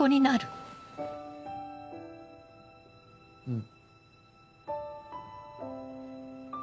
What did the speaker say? うん。